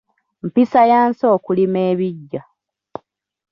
Mpisa ya nsi okulima ebiggya.